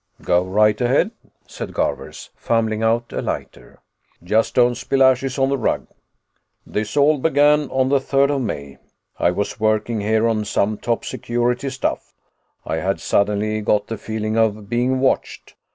"Go right ahead," said Garvers, fumbling out a lighter. "Just don't spill ashes on the rug. "This all began on the Third of May. I was working here on some top security stuff. I had suddenly got the feeling of being watched.